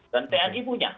dan tni punya